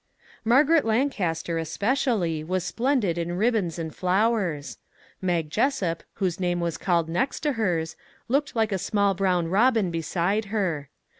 " Margaret Lancaster, especially, was splendid in ribbons and flowers. Mag Jessup, whose 372 THE EXACT TRUTH " name was called next to hers, looked like a small brown robin beside her.